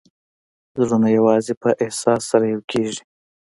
زړونه یوازې په احساس سره یو کېږي.